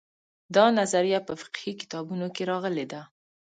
دا نظریه په فقهي کتابونو کې راغلې ده.